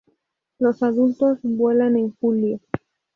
Los adultos vuelan en julio.